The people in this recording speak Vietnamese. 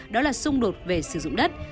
đó là xung đột về sử dụng đất